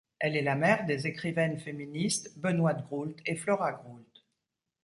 Elle est la mère des écrivaines féministes Benoîte Groult et Flora Groult.